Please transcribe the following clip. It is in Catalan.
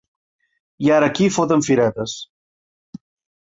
I ara aquí foten firetes.